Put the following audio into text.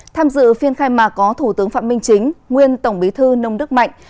tham dự phiên khai mạc có thủ tướng phạm minh chính nguyên tổng bí thư nông đức mạnh